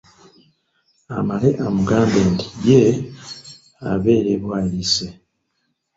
Amale amugambe nti ye abeere e Bwaise.